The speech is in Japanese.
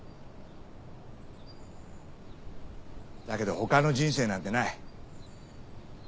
だけど他の人生なんてない。